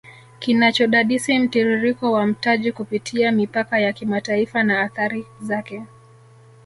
Kinachodadisi mtiririko wa mtaji kupitia mipaka ya kimataifa na athari zaKe